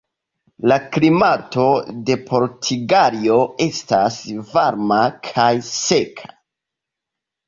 La klimato de Portugalio estas varma kaj seka.